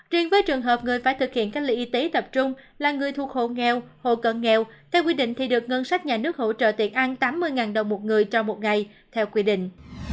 riêng với trường hợp người phải thực hiện cách ly y tế tập trung là người thuộc hộ nghèo hộ cận nghèo theo quy định thì được ngân sách nhà nước hỗ trợ tiền ăn tám mươi đồng một người trong một ngày theo quy định